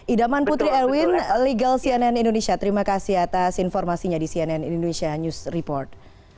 idaman putri erwin legal cnn indonesia terima kasih atas informasinya di cnn indonesia news report